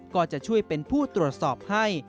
ก็จะช่วยเป็นผู้ตรวจสอบให้